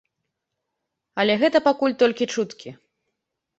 Але гэта пакуль толькі чуткі.